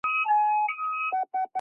ესე იგი, სულ გვქონია ხუთი ასეული.